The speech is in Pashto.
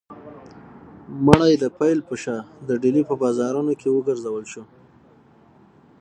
مړی د پیل په شا د ډیلي په بازارونو کې وګرځول شو.